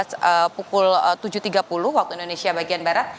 setelah tujuh belas pukul tujuh tiga puluh waktu indonesia bagian barat